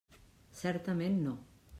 Certament, no.